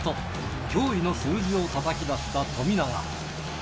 驚異の数字をたたき出した富永。